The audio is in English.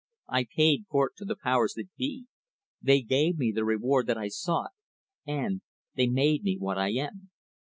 I paid court to the powers that be. They gave me the reward I sought; and they made me what I am."